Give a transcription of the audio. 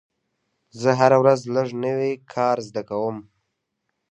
زه هره ورځ لږ نوی کار زده کوم.